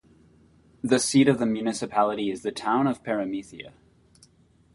The seat of the municipality is the town of Paramythia.